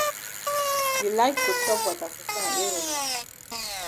You like for chop wata fufu and eru nor?